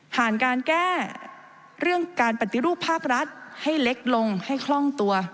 การแก้เรื่องการปฏิรูปภาครัฐให้เล็กลงให้คล่องตัว